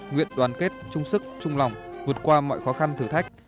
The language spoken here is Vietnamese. nguyện đoàn kết chung sức chung lòng vượt qua mọi khó khăn thử thách